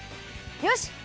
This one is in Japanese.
よし！